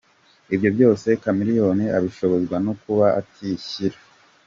Ibi byose, Chameleone abishobozwa no kuba atishyira.